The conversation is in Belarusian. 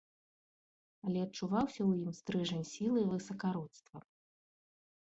Але адчуваўся ў ім стрыжань сілы і высакародства.